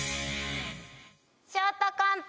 ショートコント